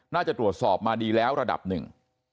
น่าจะตรวจสอบมาดีแล้วระดับหนึ่ง